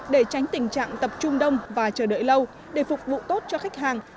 để tránh tình trạng tập trung đông và chờ đợi lâu để phục vụ tốt cho khách hàng